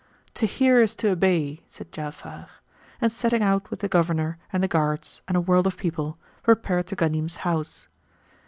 "To hear is to obey," said Ja'afar; and setting out with the Governor and the guards and a world of people, repaired to Ghanim's house.